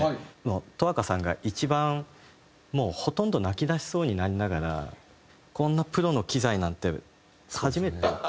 十明さんが一番もうほとんど泣きだしそうになりながら「こんなプロの機材なんて初めてです」みたいな。